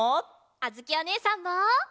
あづきおねえさんも。